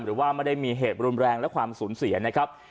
หรือว่าไม่ได้มีเหตุรุนแรงและความสูญเสียนะครับ